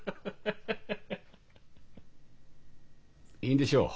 いいでしょう。